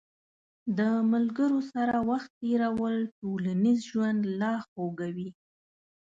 د ملګرو سره وخت تېرول ټولنیز ژوند لا خوږوي.